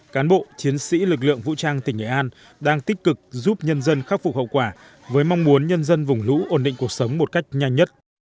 cán bộ chiến sĩ lực lượng vũ trang tỉnh nghệ an đang tích cực giúp nhân dân khắc phục hậu quả với mong muốn nhân dân vùng lũ ổn định cuộc sống một cách nhanh nhất